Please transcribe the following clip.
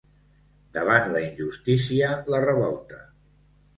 Davant la injustícia, la revolta.